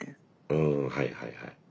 うんはいはいはい。